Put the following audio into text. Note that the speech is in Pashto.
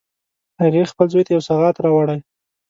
هغې خپل زوی ته یو سوغات راوړی